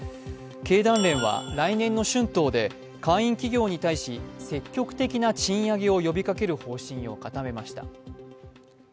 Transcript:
経団連は来年の春闘で会員企業に対し積極的な賃上げを呼びかける方針を固めました。